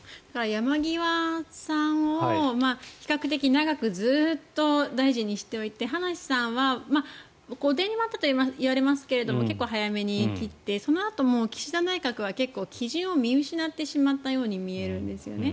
山際さんを比較的長くずっと大臣にしておいて葉梨さんは後手に回ったといわれますが結構早めに切って、その後も岸田内閣は基準を見失ってしまったように思うんですよね。